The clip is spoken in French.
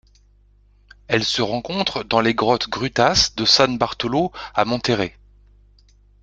Elle se rencontre dans les grottes Grutas de San Bartolo à Monterrey.